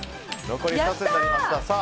残り２つになりました。